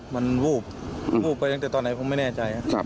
มันวูบวูบไปตั้งแต่ตอนไหนผมไม่แน่ใจ